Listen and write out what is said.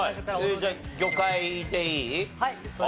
じゃあ魚介でいい？